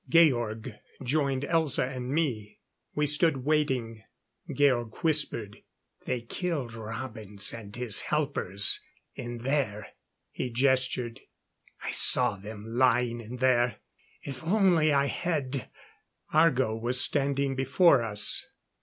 Georg joined Elza and me. We stood waiting. Georg whispered: "They killed Robins and his helpers. In there " He gestured. "I saw them lying in there. If only I had " Argo was standing before us.